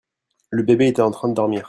Le bébé était en train de dormir.